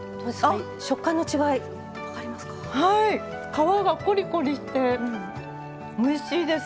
皮がコリコリしておいしいです。